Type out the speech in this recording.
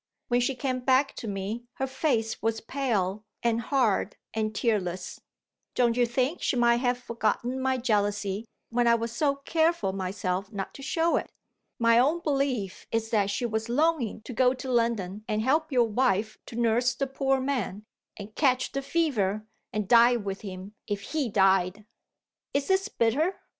When she came back to me, her face was pale and hard and tearless. Don't you think she might have forgotten my jealousy, when I was so careful myself not to show it? My own belief is that she was longing to go to London, and help your wife to nurse the poor man, and catch the fever, and die with him if he died. Is this bitter?